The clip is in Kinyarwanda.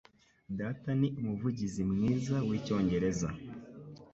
Data ni umuvugizi mwiza wicyongereza.